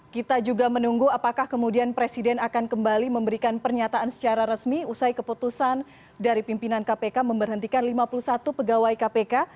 kita juga menunggu apakah kemudian presiden akan kembali memberikan pernyataan secara resmi usai keputusan dari pimpinan kpk memberhentikan lima puluh satu pegawai kpk